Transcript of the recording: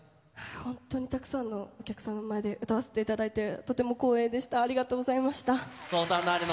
本当にたくさんのお客さんの前で歌わせていただいて、とても光栄でした。